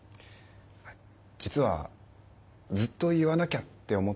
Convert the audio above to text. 実はずっと言わなきゃって思ってたことがあるんですけど。